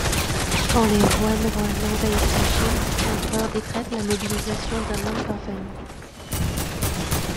Quand les Ruanruan envahissent la Chine, l’empereur décrète la mobilisation d’un homme par famille.